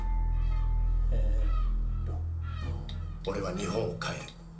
俺は日本を変える